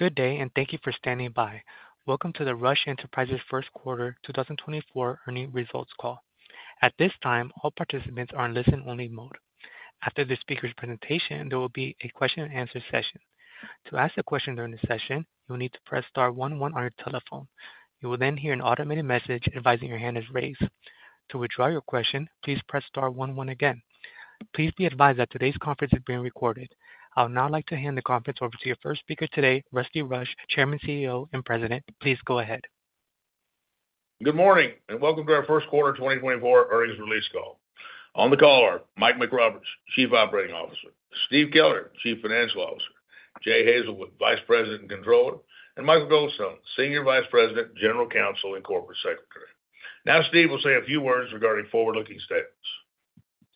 Good day and thank you for standing by. Welcome to the Rush Enterprises First Quarter 2024 Earnings Results Call. At this time, all participants are in listen-only mode. After the speaker's presentation, there will be a question-and-answer session. To ask a question during the session, you will need to press star one one on your telephone. You will then hear an automated message advising your hand is raised. To withdraw your question, please press star one one again. Please be advised that today's conference is being recorded. I would now like to hand the conference over to your first speaker today, Rusty Rush, Chairman, CEO, and President. Please go ahead. Good morning and welcome to our First Quarter 2024 Earnings Release Call. On the call are Mike McRoberts, Chief Operating Officer, Steve Keller, Chief Financial Officer, Jay Hazelwood, Vice President and Controller, and Michael Goldstone, Senior Vice President, General Counsel, and Corporate Secretary. Now Steve will say a few words regarding forward-looking statements.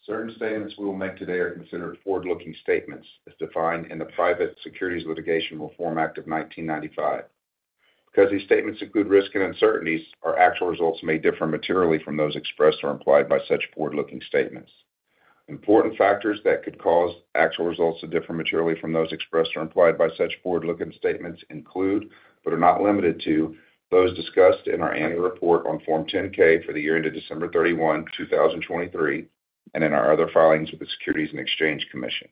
Certain statements we will make today are considered forward-looking statements, as defined in the Private Securities Litigation Reform Act of 1995. Because these statements include risk and uncertainties, our actual results may differ materially from those expressed or implied by such forward-looking statements. Important factors that could cause actual results to differ materially from those expressed or implied by such forward-looking statements include, but are not limited to, those discussed in our annual report on Form 10-K for the year ended December 31, 2023, and in our other filings with the Securities and Exchange Commission.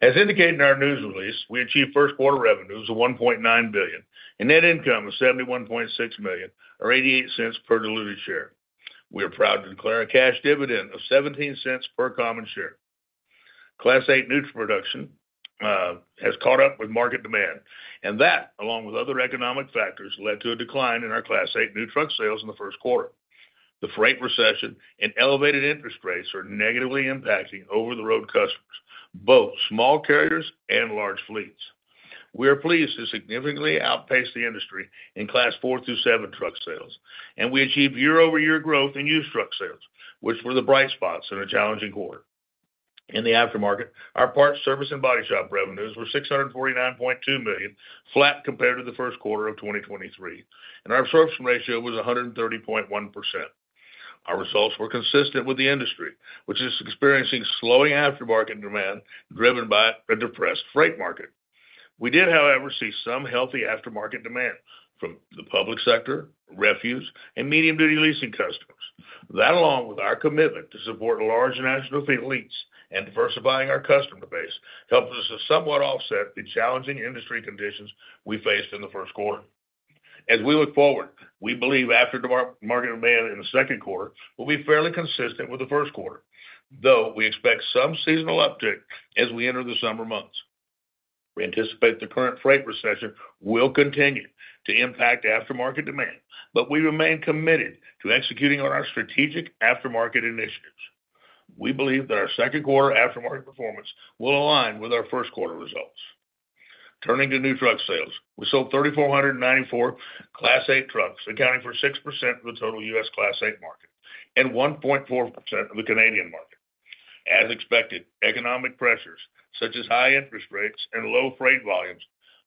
As indicated in our news release, we achieved first quarter revenues of $1.9 billion, and net income of $71.6 million or $0.88 per diluted share. We are proud to declare a cash dividend of $0.17 per common share. Class 8 new truck production has caught up with market demand, and that, along with other economic factors, led to a decline in our Class 8 new truck sales in the first quarter. The freight recession and elevated interest rates are negatively impacting over-the-road customers, both small carriers and large fleets. We are pleased to significantly outpace the industry in Class 4 through 7 truck sales, and we achieved year-over-year growth in used truck sales, which were the bright spots in a challenging quarter. In the aftermarket, our parts, service, and body shop revenues were $649.2 million, flat compared to the first quarter of 2023, and our absorption ratio was 130.1%. Our results were consistent with the industry, which is experiencing slowing aftermarket demand driven by a depressed freight market. We did, however, see some healthy aftermarket demand from the public sector, refuse, and medium-duty leasing customers. That, along with our commitment to support large national fleets and diversifying our customer base, helps us to somewhat offset the challenging industry conditions we faced in the first quarter. As we look forward, we believe aftermarket demand in the second quarter will be fairly consistent with the first quarter, though we expect some seasonal uptick as we enter the summer months. We anticipate the current freight recession will continue to impact aftermarket demand, but we remain committed to executing on our strategic aftermarket initiatives. We believe that our second quarter aftermarket performance will align with our first quarter results. Turning to new truck sales, we sold 3,494 Class 8 trucks, accounting for 6% of the total U.S. Class 8 market and 1.4% of the Canadian market. As expected, economic pressures such as high interest rates and low freight volumes,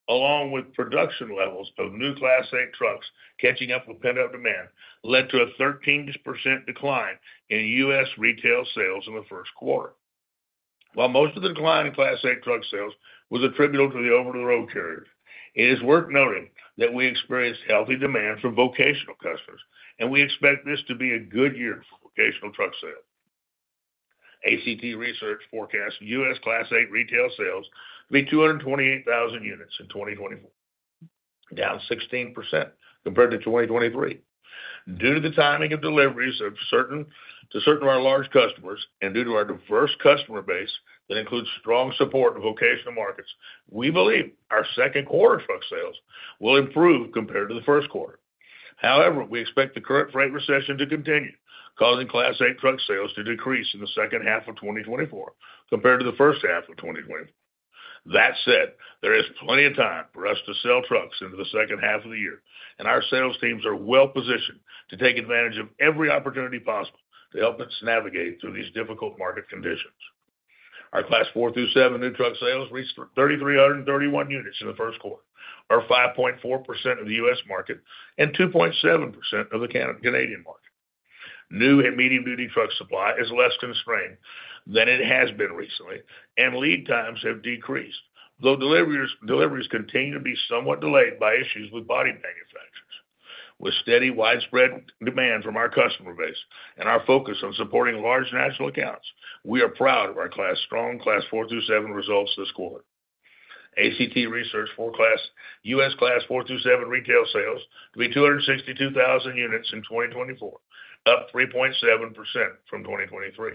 along with production levels of new Class 8 trucks catching up with pent-up demand, led to a 13% decline in U.S. retail sales in the first quarter. While most of the decline in Class 8 truck sales was attributable to the over-the-road carriers, it is worth noting that we experienced healthy demand from vocational customers, and we expect this to be a good year for vocational truck sales. ACT Research forecasts U.S. Class 8 retail sales to be 228,000 units in 2024, down 16% compared to 2023. Due to the timing of deliveries to certain of our large customers and due to our diverse customer base that includes strong support of vocational markets, we believe our second quarter truck sales will improve compared to the first quarter. However, we expect the current freight recession to continue, causing Class 8 truck sales to decrease in the second half of 2024 compared to the first half of 2024. That said, there is plenty of time for us to sell trucks into the second half of the year, and our sales teams are well positioned to take advantage of every opportunity possible to help us navigate through these difficult market conditions. Our Class 4 through 7 new truck sales reached 3,331 units in the first quarter, or 5.4% of the U.S. market and 2.7% of the Canadian market. New and medium-duty truck supply is less constrained than it has been recently, and lead times have decreased, though deliveries continue to be somewhat delayed by issues with body manufacturers. With steady, widespread demand from our customer base and our focus on supporting large national accounts, we are proud of our strong Class 4 through 7 results this quarter. ACT Research forecasts U.S. Class 4 through 7 retail sales to be 262,000 units in 2024, up 3.7% from 2023.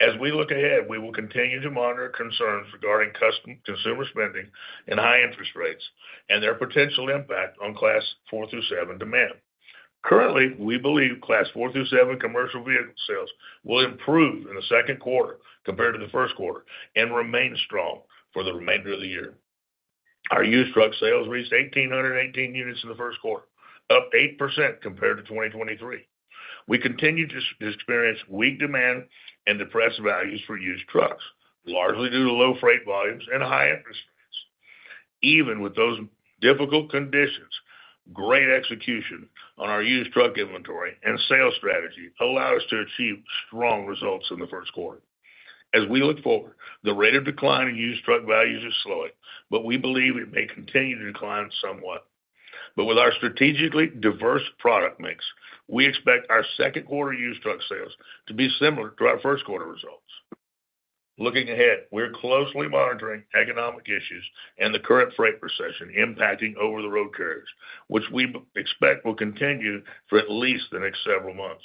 As we look ahead, we will continue to monitor concerns regarding consumer spending and high interest rates and their potential impact on Class 4 through 7 demand. Currently, we believe Class 4 through 7 commercial vehicle sales will improve in the second quarter compared to the first quarter and remain strong for the remainder of the year. Our used truck sales reached 1,818 units in the first quarter, up 8% compared to 2023. We continue to experience weak demand and depressed values for used trucks, largely due to low freight volumes and high interest rates. Even with those difficult conditions, great execution on our used truck inventory and sales strategy allowed us to achieve strong results in the first quarter. As we look forward, the rate of decline in used truck values is slowing, but we believe it may continue to decline somewhat. But with our strategically diverse product mix, we expect our second quarter used truck sales to be similar to our first quarter results. Looking ahead, we're closely monitoring economic issues and the current freight recession impacting over-the-road carriers, which we expect will continue for at least the next several months.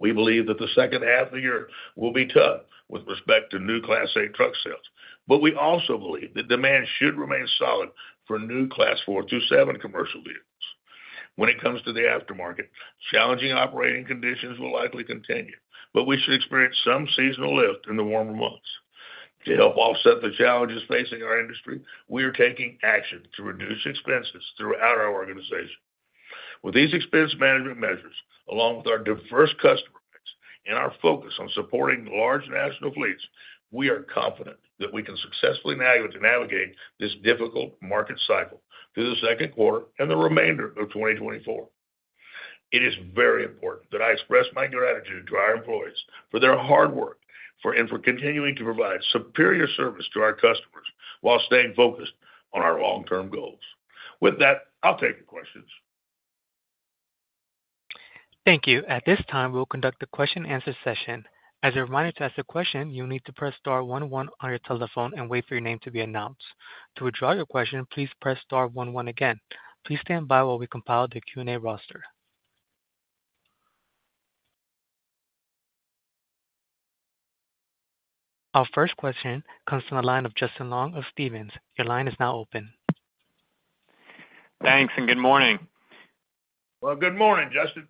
We believe that the second half of the year will be tough with respect to new Class 8 truck sales, but we also believe that demand should remain solid for new Class 4 through 7 commercial vehicles. When it comes to the aftermarket, challenging operating conditions will likely continue, but we should experience some seasonal lift in the warmer months. To help offset the challenges facing our industry, we are taking action to reduce expenses throughout our organization. With these expense management measures, along with our diverse customer base and our focus on supporting large national fleets, we are confident that we can successfully navigate this difficult market cycle through the second quarter and the remainder of 2024. It is very important that I express my gratitude to our employees for their hard work and for continuing to provide superior service to our customers while staying focused on our long-term goals. With that, I'll take your questions. Thank you. At this time, we will conduct a question-and-answer session. As a reminder to ask a question, you will need to press star one one on your telephone and wait for your name to be announced. To withdraw your question, please press star one one again. Please stand by while we compile the Q&A roster. Our first question comes from the line of Justin Long of Stephens. Your line is now open. Thanks and good morning. Well, good morning, Justin.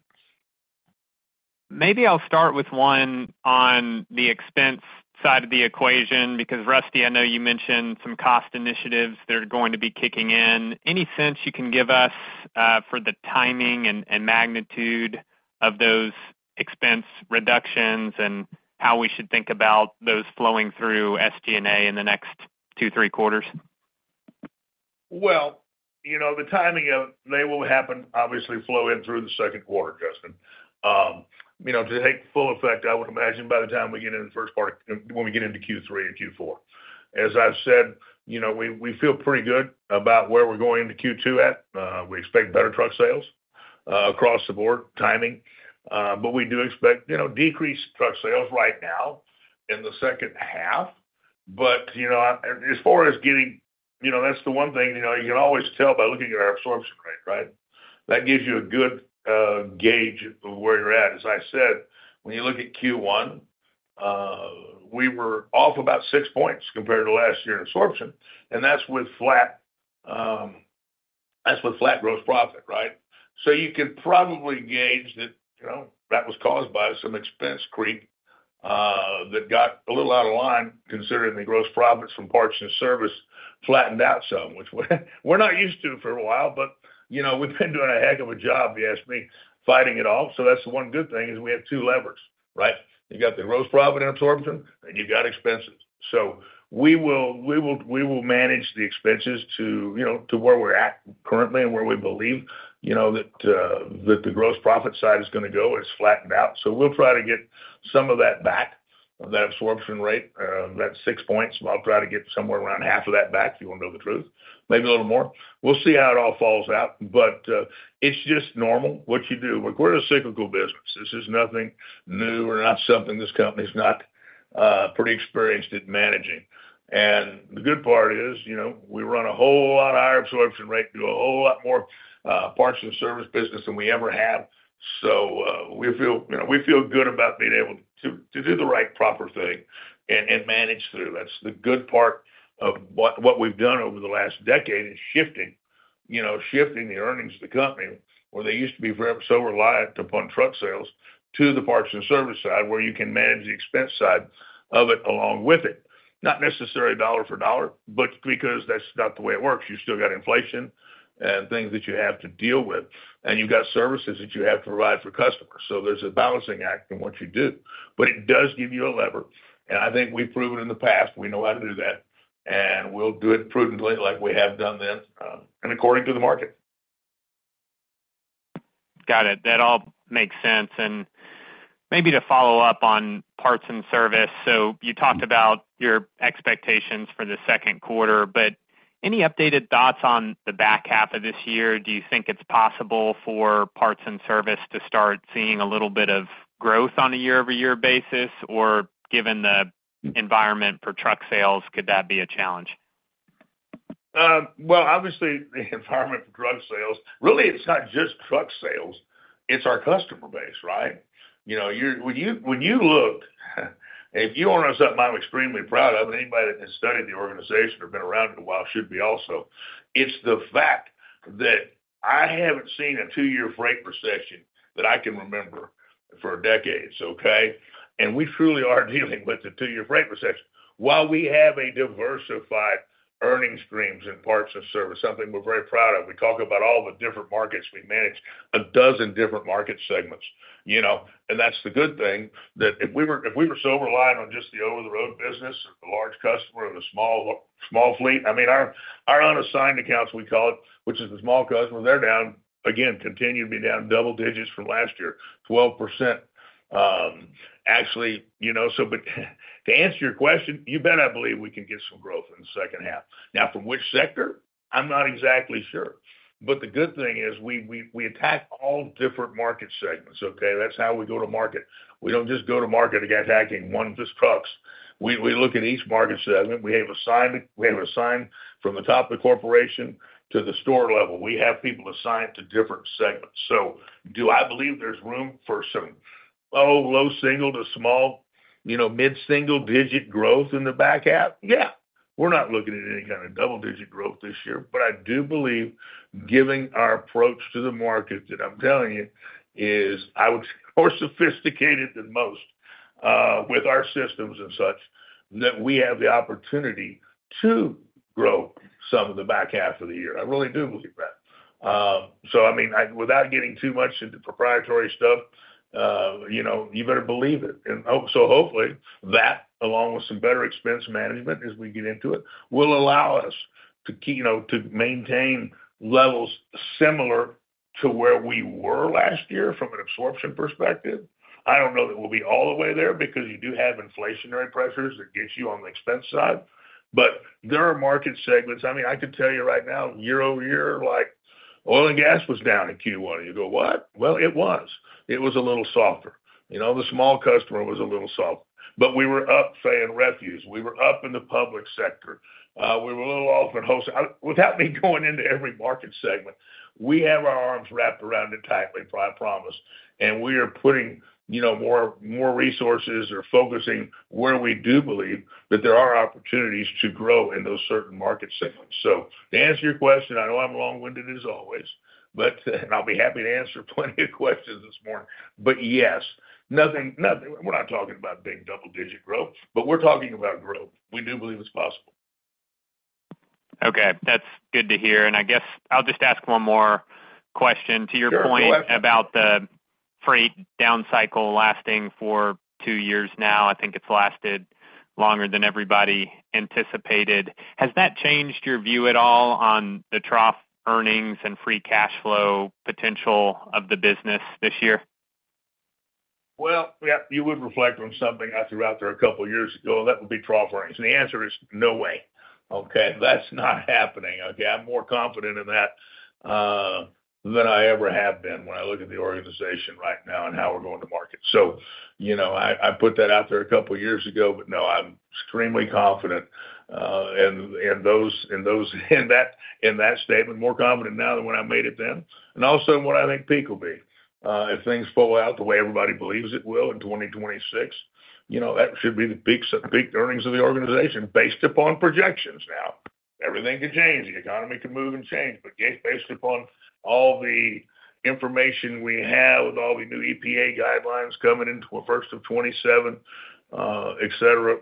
Maybe I'll start with one on the expense side of the equation because, Rusty, I know you mentioned some cost initiatives that are going to be kicking in. Any sense you can give us for the timing and magnitude of those expense reductions and how we should think about those flowing through SG&A in the next two, three quarters? Well, you know the timing of they will happen, obviously, flow in through the second quarter, Justin. To take full effect, I would imagine by the time we get into the first part when we get into Q3 and Q4. As I've said, we feel pretty good about where we're going into Q2 at. We expect better truck sales across the board, timing. But we do expect decreased truck sales right now in the second half. But as far as getting that's the one thing you can always tell by looking at our absorption rate, right? That gives you a good gauge of where you're at. As I said, when you look at Q1, we were off about six points compared to last year in absorption, and that's with flat gross profit, right? So you can probably gauge that that was caused by some expense creep that got a little out of line considering the gross profits from parts and service flattened out some, which we're not used to for a while. But we've been doing a heck of a job, if you ask me, fighting it off. So that's the one good thing is we have two levers, right? You've got the gross profit and absorption, and you've got expenses. So we will manage the expenses to where we're at currently and where we believe that the gross profit side is going to go. It's flattened out. So we'll try to get some of that back, that absorption rate, that six points. I'll try to get somewhere around half of that back, if you want to know the truth, maybe a little more. We'll see how it all falls out. But it's just normal, what you do. We're a cyclical business. This is nothing new or not something this company's not pretty experienced at managing. And the good part is we run a whole lot of higher absorption rate, do a whole lot more parts and service business than we ever have. So we feel good about being able to do the right proper thing and manage through. That's the good part of what we've done over the last decade is shifting the earnings of the company, where they used to be so reliant upon truck sales, to the parts and service side where you can manage the expense side of it along with it. Not necessarily dollar for dollar, but because that's not the way it works. You still got inflation and things that you have to deal with, and you've got services that you have to provide for customers. So there's a balancing act in what you do. But it does give you a lever. And I think we've proven in the past we know how to do that, and we'll do it prudently like we have done then and according to the market. Got it. That all makes sense. And maybe to follow up on parts and service, so you talked about your expectations for the second quarter, but any updated thoughts on the back half of this year? Do you think it's possible for parts and service to start seeing a little bit of growth on a year-over-year basis, or given the environment for truck sales, could that be a challenge? Well, obviously, the environment for truck sales, really, it's not just truck sales. It's our customer base, right? When you look, if you want to sum us up, I'm extremely proud of, and anybody that has studied the organization or been around it a while should be also. It's the fact that I haven't seen a two-year freight recession that I can remember for a decade, okay? And we truly are dealing with a two-year freight recession while we have a diversified earnings streams in parts and service, something we're very proud of. We talk about all the different markets. We manage a dozen different market segments. That's the good thing, that if we were so reliant on just the over-the-road business or the large customer of a small fleet, I mean, our unassigned accounts, we call it, which is the small customer, they're down, again, continue to be down double digits from last year, 12% actually. But to answer your question, you bet I believe we can get some growth in the second half. Now, from which sector? I'm not exactly sure. But the good thing is we attack all different market segments, okay? That's how we go to market. We don't just go to market attacking one. Just trucks. We look at each market segment. We have assigned from the top of the corporation to the store level. We have people assigned to different segments. So do I believe there's room for some, oh, low single to small mid-single digit growth in the back half? Yeah. We're not looking at any kind of double-digit growth this year. But I do believe, given our approach to the market that I'm telling you, is I would say more sophisticated than most with our systems and such, that we have the opportunity to grow some of the back half of the year. I really do believe that. So, I mean, without getting too much into proprietary stuff, you better believe it. And so hopefully, that, along with some better expense management as we get into it, will allow us to maintain levels similar to where we were last year from an absorption perspective. I don't know that we'll be all the way there because you do have inflationary pressures that get you on the expense side. There are market segments. I mean, I could tell you right now, year-over-year, oil and gas was down in Q1. You go, "What?" Well, it was. It was a little softer. The small customer was a little softer. We were up, say, in refuse. We were up in the public sector. We were a little off in wholesale. Without me going into every market segment, we have our arms wrapped around it tightly, I promise. We are putting more resources or focusing where we do believe that there are opportunities to grow in those certain market segments. To answer your question, I know I'm long-winded as always, and I'll be happy to answer plenty of questions this morning. Yes, we're not talking about big double-digit growth, but we're talking about growth. We do believe it's possible. Okay. That's good to hear. I guess I'll just ask one more question. To your point about the freight down cycle lasting for two years now, I think it's lasted longer than everybody anticipated. Has that changed your view at all on the trough earnings and free cash flow potential of the business this year? Well, yeah, you would reflect on something I threw out there a couple of years ago. That would be trough earnings. And the answer is no way. Okay? That's not happening. Okay? I'm more confident in that than I ever have been when I look at the organization right now and how we're going to market. So I put that out there a couple of years ago, but no, I'm extremely confident in that statement, more confident now than when I made it then, and also in what I think peak will be. If things fall out the way everybody believes it will in 2026, that should be the peak earnings of the organization based upon projections now. Everything could change. The economy could move and change. But based upon all the information we have with all the new EPA guidelines coming into 1st of 2027, etc.,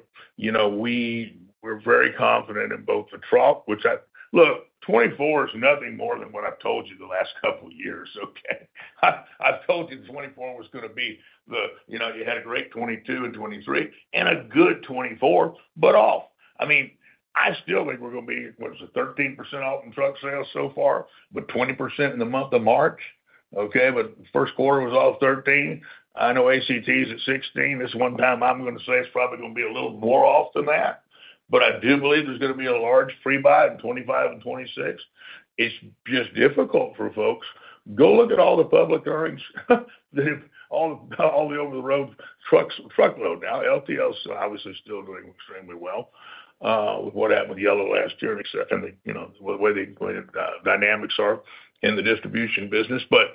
we're very confident in both the trough, which I look, 2024 is nothing more than what I've told you the last couple of years, okay? I've told you 2024 was going to be the you had a great 2022 and 2023 and a good 2024, but off. I mean, I still think we're going to be what's it, 13% off in truck sales so far, but 20% in the month of March, okay? But first quarter was off 13%. I know ACT is at 16%. This one time, I'm going to say it's probably going to be a little more off than that. But I do believe there's going to be a large pre-buy in 2025 and 2026. It's just difficult for folks. Go look at all the public earnings, all the over-the-road truck load now. LTL is obviously still doing extremely well with what happened with Yellow last year and the way the dynamics are in the distribution business. But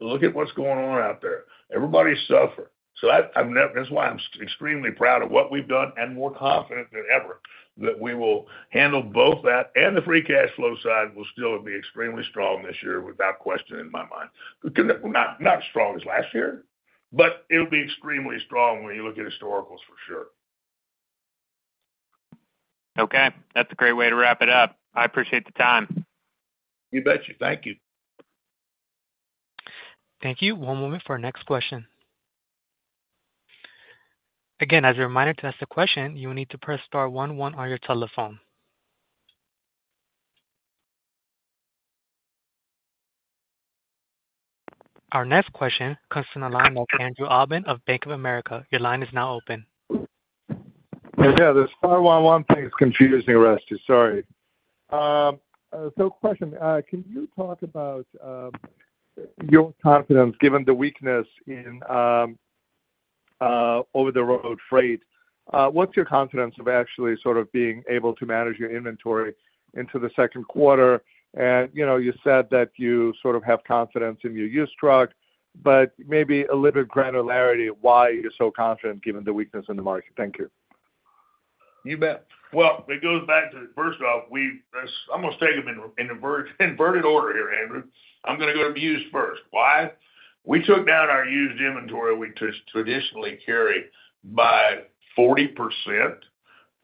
look at what's going on out there. Everybody's suffering. So that's why I'm extremely proud of what we've done and more confident than ever that we will handle both that and the free cash flow side will still be extremely strong this year, without question, in my mind. Not strong as last year, but it'll be extremely strong when you look at historicals, for sure. Okay. That's a great way to wrap it up. I appreciate the time. You bet you. Thank you. Thank you. One moment for our next question. Again, as a reminder to ask the question, you will need to press star one one on your telephone. Our next question comes from the line of Andrew Obin of Bank of America. Your line is now open. Yeah, the star one one thing is confusing, Rusty. Sorry. So question, can you talk about your confidence given the weakness in over-the-road freight? What's your confidence of actually sort of being able to manage your inventory into the second quarter? And you said that you sort of have confidence in your used truck, but maybe a little bit of granularity why you're so confident given the weakness in the market. Thank you. You bet. Well, it goes back to, first off, I'm going to take them in inverted order here, Andrew. I'm going to go to used first. Why? We took down our used inventory we traditionally carry by 40%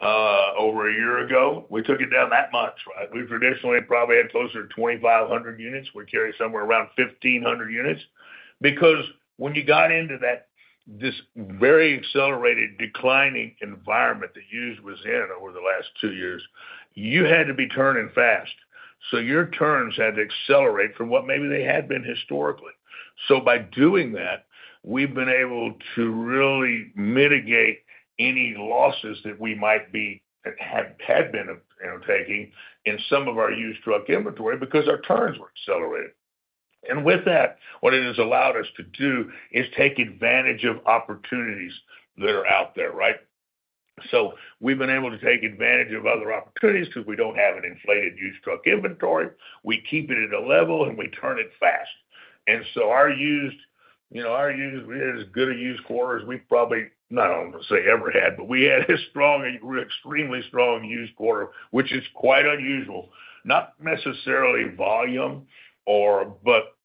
over a year ago. We took it down that much, right? We traditionally probably had closer to 2,500 units. We carry somewhere around 1,500 units. Because when you got into this very accelerated declining environment that used was in over the last two years, you had to be turning fast. So your turns had to accelerate from what maybe they had been historically. So by doing that, we've been able to really mitigate any losses that we might be had been taking in some of our used truck inventory because our turns were accelerated. And with that, what it has allowed us to do is take advantage of opportunities that are out there, right? So we've been able to take advantage of other opportunities because we don't have an inflated used truck inventory. We keep it at a level, and we turn it fast. And so our used we had as good a used quarter as we probably not only say ever had, but we had a strong extremely strong used quarter, which is quite unusual. Not necessarily volume, but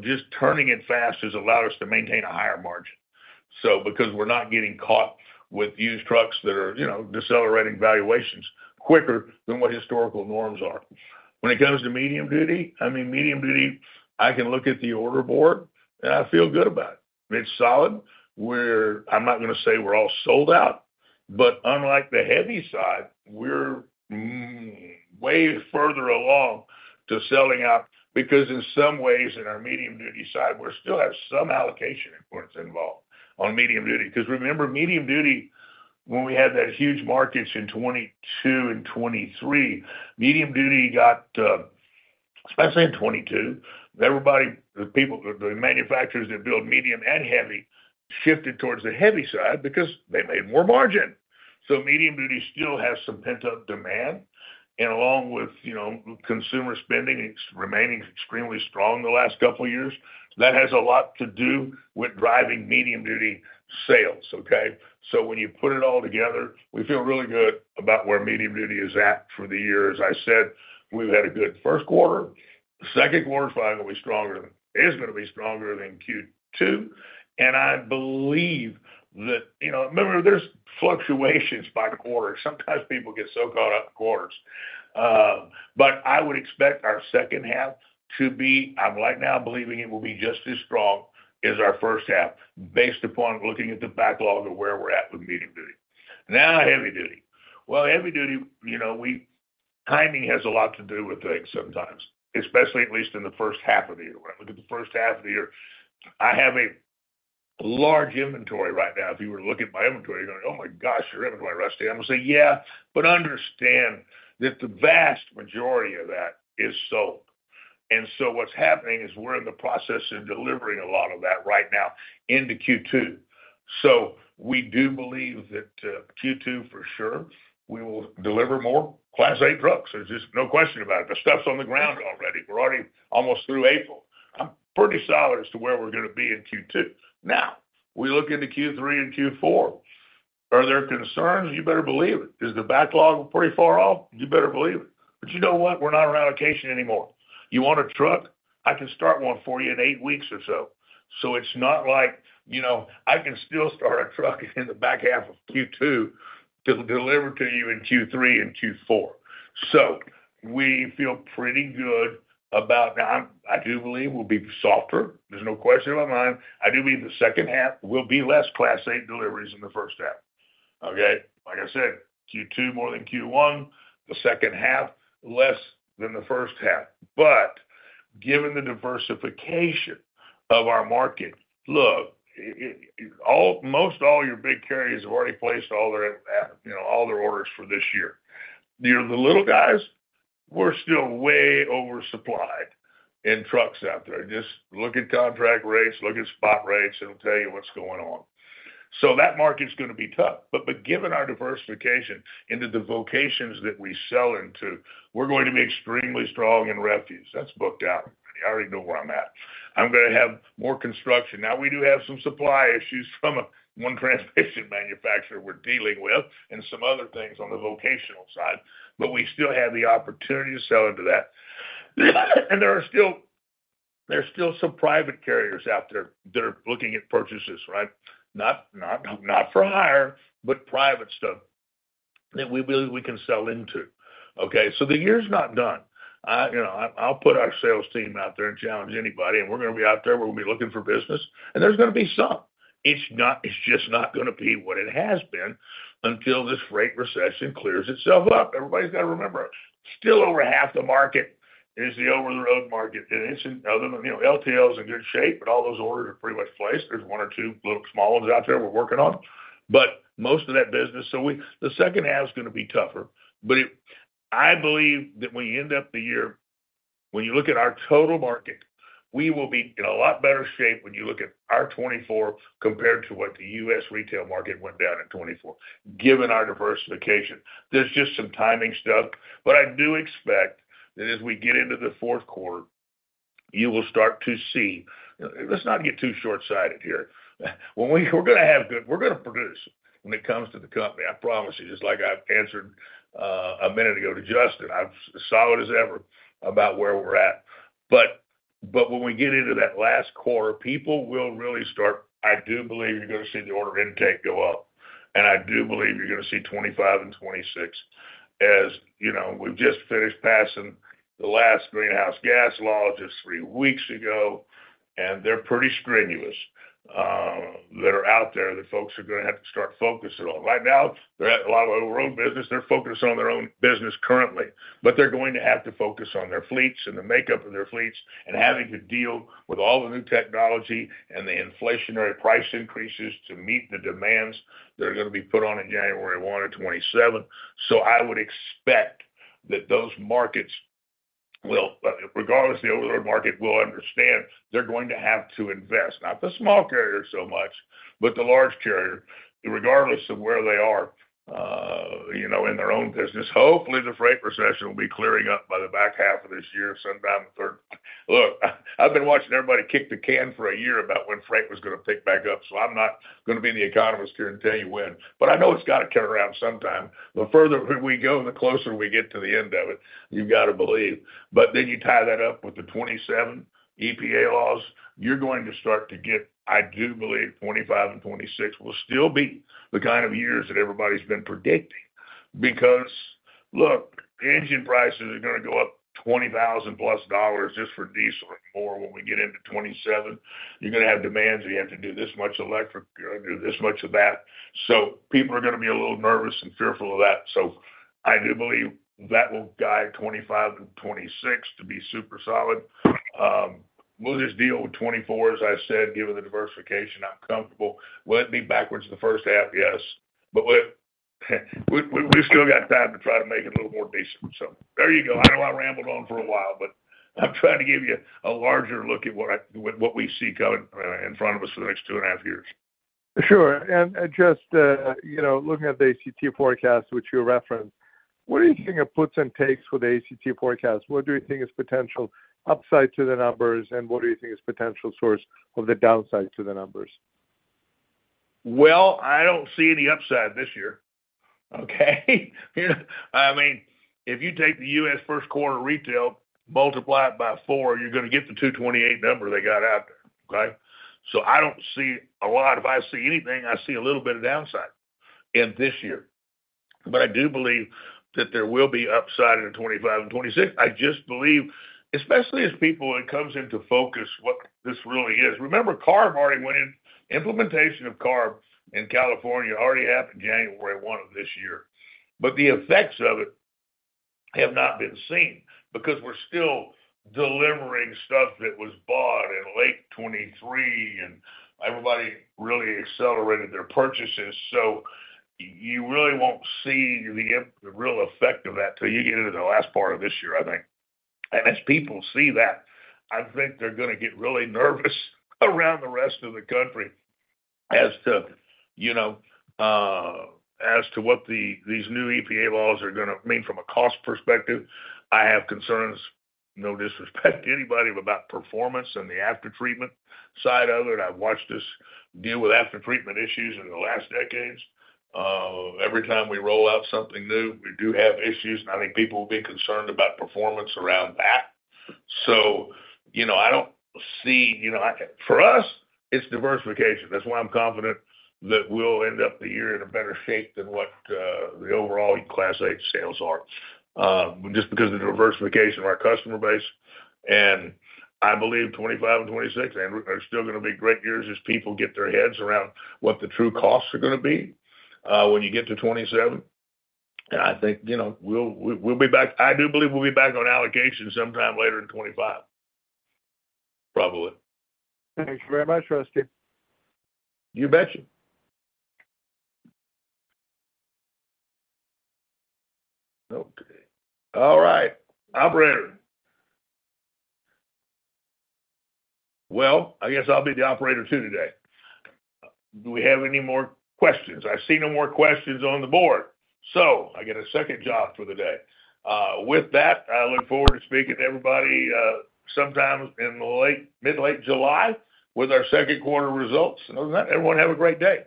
just turning it fast has allowed us to maintain a higher margin. So because we're not getting caught with used trucks that are decelerating valuations quicker than what historical norms are. When it comes to medium duty, I mean, medium duty, I can look at the order board, and I feel good about it. It's solid. I'm not going to say we're all sold out. But unlike the heavy side, we're way further along to selling out because in some ways, in our medium duty side, we still have some allocation importance involved on medium duty. Because remember, medium duty, when we had that huge markets in 2022 and 2023, medium duty got, especially in 2022, the manufacturers that build medium and heavy shifted towards the heavy side because they made more margin. So medium duty still has some pent-up demand. And along with consumer spending, it's remaining extremely strong the last couple of years. That has a lot to do with driving medium duty sales, okay? So when you put it all together, we feel really good about where medium duty is at for the year. As I said, we've had a good first quarter. The second quarter is probably going to be stronger than is going to be stronger than Q2. And I believe that remember, there's fluctuations by quarter. Sometimes people get so caught up in quarters. But I would expect our second half to be. I'm right now believing it will be just as strong as our first half based upon looking at the backlog of where we're at with medium duty. Now, heavy duty. Well, heavy duty, timing has a lot to do with things sometimes, especially at least in the first half of the year. When I look at the first half of the year, I have a large inventory right now. If you were to look at my inventory, you're going, "Oh my gosh, your inventory, Rusty." I'm going to say, "Yeah, but understand that the vast majority of that is sold." And so what's happening is we're in the process of delivering a lot of that right now into Q2. So we do believe that Q2, for sure, we will deliver more Class 8 trucks. There's just no question about it. The stuff's on the ground already. We're already almost through April. I'm pretty solid as to where we're going to be in Q2. Now, we look into Q3 and Q4. Are there concerns? You better believe it. Is the backlog pretty far off? You better believe it. But you know what? We're not on allocation anymore. You want a truck? I can start one for you in eight weeks or so. So it's not like I can still start a truck in the back half of Q2 to deliver to you in Q3 and Q4. So we feel pretty good about now. I do believe we'll be softer. There's no question in my mind. I do believe the second half will be less Class 8 deliveries than the first half, okay? Like I said, Q2 more than Q1, the second half less than the first half. But given the diversification of our market, look, most all your big carriers have already placed all their orders for this year. The little guys, we're still way oversupplied in trucks out there. Just look at contract rates. Look at spot rates. It'll tell you what's going on. So that market's going to be tough. But given our diversification into the vocations that we sell into, we're going to be extremely strong in refuse. That's booked out. You already know where I'm at. I'm going to have more construction. Now, we do have some supply issues from one transmission manufacturer we're dealing with and some other things on the vocational side. But we still have the opportunity to sell into that. And there are still some private carriers out there that are looking at purchases, right? Not for hire, but private stuff that we believe we can sell into, okay? So the year's not done. I'll put our sales team out there and challenge anybody. And we're going to be out there. We're going to be looking for business. And there's going to be some. It's just not going to be what it has been until this freight recession clears itself up. Everybody's got to remember, still over half the market is the over-the-road market. And other than LTL is in good shape, but all those orders are pretty much placed. There's one or two little small ones out there we're working on. But most of that business so the second half is going to be tougher. But I believe that when you end up the year when you look at our total market, we will be in a lot better shape when you look at our 2024 compared to what the U.S. retail market went down in 2024, given our diversification. There's just some timing stuff. But I do expect that as we get into the fourth quarter, you will start to see let's not get too shortsighted here. We're going to have good we're going to produce when it comes to the company, I promise you. Just like I answered a minute ago to Justin, I'm solid as ever about where we're at. But when we get into that last quarter, people will really start. I do believe you're going to see the order intake go up. I do believe you're going to see 2025 and 2026 as we've just finished passing the last greenhouse gas law just three weeks ago. And they're pretty stringent that are out there that folks are going to have to start focusing on. Right now, they're at a lot of over-the-road business. They're focusing on their own business currently. But they're going to have to focus on their fleets and the makeup of their fleets and having to deal with all the new technology and the inflationary price increases to meet the demands that are going to be put on in January 1 and 2027. So I would expect that those markets will regardless, the over-the-road market will understand they're going to have to invest, not the small carrier so much, but the large carrier, regardless of where they are in their own business. Hopefully, the freight recession will be clearing up by the back half of this year, sometime the third quarter. I've been watching everybody kick the can for a year about when freight was going to pick back up. So I'm not going to be the economist here and tell you when. But I know it's got to come around sometime. The further we go, the closer we get to the end of it, you've got to believe. But then you tie that up with the 2027 EPA laws, you're going to start to get. I do believe 2025 and 2026 will still be the kind of years that everybody's been predicting because, look, engine prices are going to go up $20,000+ just for diesel or more when we get into 2027. You're going to have demands that you have to do this much electric, you're going to do this much of that. So people are going to be a little nervous and fearful of that. So I do believe that will guide 2025 and 2026 to be super solid. We'll just deal with 2024, as I said, given the diversification. I'm comfortable. Will it be backwards the first half? Yes. But we've still got time to try to make it a little more decent. So there you go. I know I rambled on for a while, but I'm trying to give you a larger look at what we see coming in front of us for the next two and a half years. Sure. Just looking at the ACT forecast, which you referenced, what do you think of puts and takes with the ACT forecast? What do you think is potential upside to the numbers, and what do you think is potential source of the downside to the numbers? Well, I don't see any upside this year, okay? I mean, if you take the U.S. first quarter retail, multiply it by four, you're going to get the 228 number they got out there, okay? So I don't see a lot if I see anything, I see a little bit of downside in this year. But I do believe that there will be upside in 2025 and 2026. I just believe, especially as people, it comes into focus what this really is. Remember, CARB already went in implementation of CARB in California already happened January 1 of this year. But the effects of it have not been seen because we're still delivering stuff that was bought in late 2023, and everybody really accelerated their purchases. So you really won't see the real effect of that till you get into the last part of this year, I think. And as people see that, I think they're going to get really nervous around the rest of the country as to what these new EPA laws are going to mean from a cost perspective. I have concerns, no disrespect to anybody, about performance and the aftertreatment side of it. I've watched us deal with aftertreatment issues in the last decades. Every time we roll out something new, we do have issues. And I think people will be concerned about performance around that. So I don't see for us, it's diversification. That's why I'm confident that we'll end up the year in a better shape than what the overall Class 8 sales are, just because of the diversification of our customer base. I believe 2025 and 2026 are still going to be great years as people get their heads around what the true costs are going to be when you get to 2027. I think we'll be back. I do believe we'll be back on allocation sometime later in 2025, probably. Thanks very much, Rusty. You betcha. Okay. All right. Operator. Well, I guess I'll be the operator too today. Do we have any more questions? I see no more questions on the board. So I get a second job for the day. With that, I look forward to speaking to everybody sometime in the mid-late July with our second quarter results. Other than that, everyone have a great day.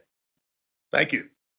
Thank you.